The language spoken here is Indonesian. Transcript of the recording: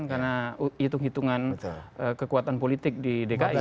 karena hitung hitungan kekuatan politik di dki